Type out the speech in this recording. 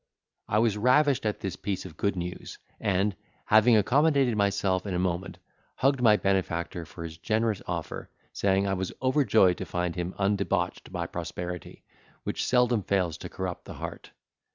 I was ravished at this piece of good news and, having accommodated myself in a moment, hugged my benefactor for his generous offer, saying, I was overjoyed to find him undebauched by prosperity, which seldom fails to corrupt the heart.